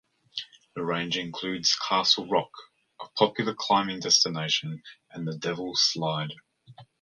The range includes Castle Rock, a popular climbing destination, and the Devils Slide.